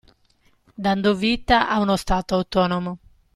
Dando vita ad uno stato autonomo.